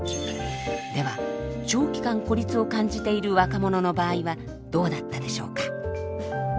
では長期間孤立を感じている若者の場合はどうだったでしょうか？